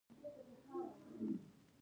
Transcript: آیا د افغانستان او ایران دوستي دې تل نه وي؟